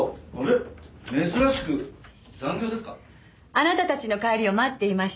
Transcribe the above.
あなたたちの帰りを待っていました。